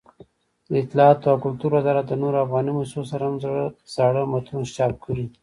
دطلاعاتو او کلتور وزارت د نورو افغاني مؤسسو سره هم زاړه متون چاپ کړي.